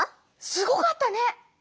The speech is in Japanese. すごかったね！